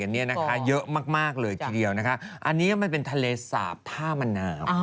เป็นเยอะมากเลยทีเที่ยวอันนี้มันเป็นทะเลสาบท่ามะนาม